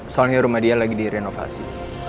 soalnya rumah dia lagi direnovasi